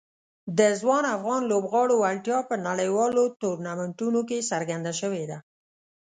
د ځوان افغان لوبغاړو وړتیا په نړیوالو ټورنمنټونو کې څرګنده شوې ده.